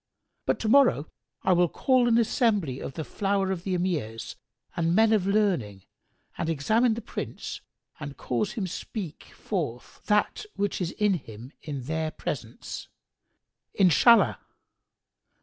But to morrow I will call an assembly of the flower of the Emirs and men of learning and examine the Prince and cause him speak forth that which is with him in their presence, Inshallah!"